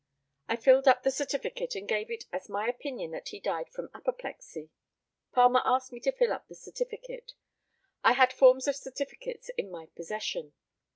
I filled up the certificate, and gave it as my opinion that he died from apoplexy. Palmer asked me to fill up the certificate. I had forms of certificates in my possession.